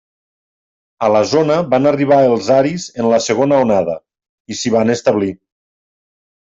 A la zona van arribar els aris en la segona onada i s'hi van establir.